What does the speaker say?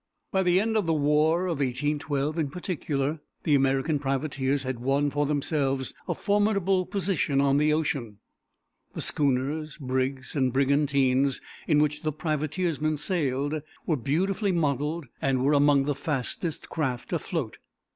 By the end of the war of 1812, in particular, the American privateers had won for themselves a formidable position on the ocean. The schooners, brigs, and brigantines in which the privateersmen sailed were beautifully modeled, and were among the fastest craft afloat.